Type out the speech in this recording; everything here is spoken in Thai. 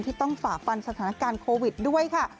ที่ต้องฝ่าฟันสถานการณ์โควิดด้วยค่ะ